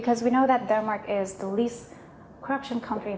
karena kita tahu bahwa denmark adalah negara yang paling korupsi di dunia